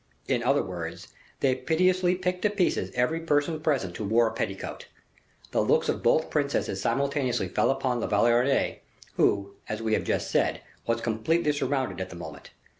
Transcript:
In other words, they pitilessly picked to pieces every person present who wore a petticoat. The looks of both princesses simultaneously fell upon La Valliere, who, as we have just said, was completely surrounded at that moment.